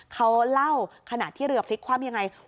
เขาเล่าขณะที่เรือพลิกคว่ำยังไง